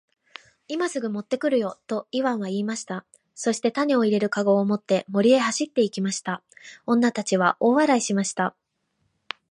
「今すぐ持って来るよ。」とイワンは言いました。そして種を入れる籠を持って森へ走って行きました。女たちは大笑いしました。